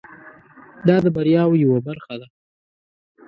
دا د بریاوو یوه برخه ده.